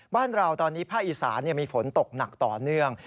บ้านเราตอนนี้ภาคอีสานมีฝนตกหนักต่อเนื่อง